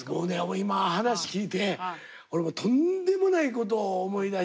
今話聞いて俺もうとんでもないことを思い出して。